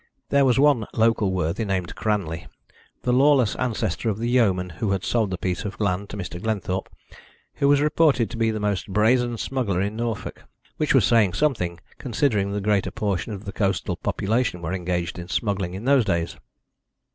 There was one local worthy named Cranley, the lawless ancestor of the yeoman who had sold the piece of land to Mr. Glenthorpe, who was reported to be the most brazen smuggler in Norfolk, which was saying something, considering the greater portion of the coastal population were engaged in smuggling in those days.